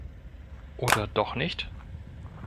Oder doch nicht?